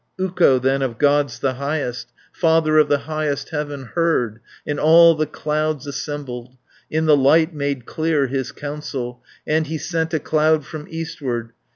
330 Ukko, then, of Gods the highest, Father of the highest heaven, Heard, and all the clouds assembled. In the light made clear his counsel, And he sent a cloud from eastward.